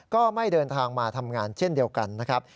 ก็ไม่เดินทางมาทำงานเช่นเดียวกันนะครับ